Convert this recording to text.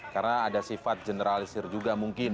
karena ada sifat generalisir juga mungkin